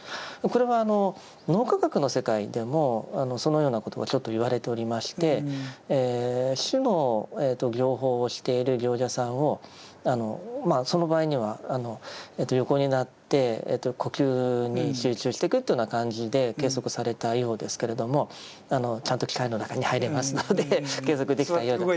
これは脳科学の世界でもそのようなことをちょっと言われておりまして「止」の行法をしている行者さんをその場合には横になって呼吸に集中してくというような感じで計測されたようですけれどもちゃんと機械の中に入れますので計測できたようだと。